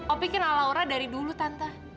opi kenal laura dari dulu tante